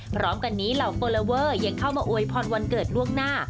พร้อมกันนี้เหล่าโฟลอเวอร์ยังเข้ามาอวยพรวันเกิดล่วงหน้า